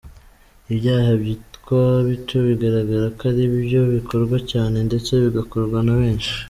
Ibyaha bitwa bito bigaragara ko ari byo bikorwa cyane ndetse bigakorwa na benshi.